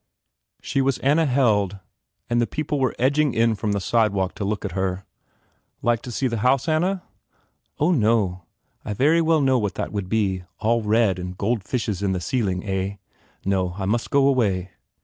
She was Anna Held and the people were edging in from the sidewalk to look at her. "Like to see the house, Anna?" "Oh, no. I very well know what that would be. All red, and gold fishes on the ceiling, eh? No. I must go away."